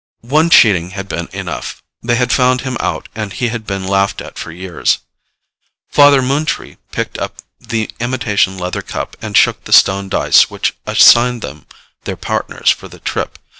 One cheating had been enough. They had found him out and he had been laughed at for years. Father Moontree picked up the imitation leather cup and shook the stone dice which assigned them their Partners for the trip.